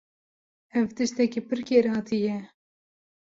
Ev tiştekî pir kêrhatî ye.